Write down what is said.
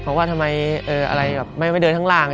เพราะว่าทำไมอะไรแบบไม่เดินข้างล่าง